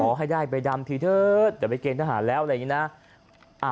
ขอให้ได้ไปดำดิสเตอร์แต่ไปเก้ทะหันแล้วอะไรอย่างนี้น่ะ